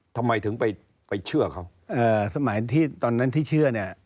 ทำไมถึงไปไปเชื่อเขาเอ่อสมัยที่ตอนนั้นที่เชื่อเนี่ย